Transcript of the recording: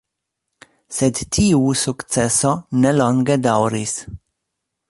Sed tiu sukceso nelonge daŭris.